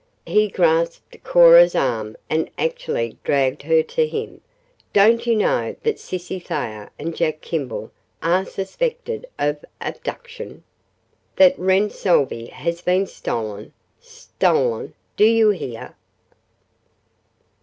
He grasped Cora's arm and actually dragged her to him. "Don't you know that Cissy Thayer and Jack Kimball are suspected of abduction? That Wren Salvey has been stolen stolen, do you hear?"